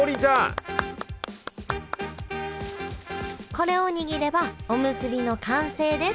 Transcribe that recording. これを握ればおむすびの完成です